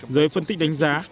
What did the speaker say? giới phân tích đánh giá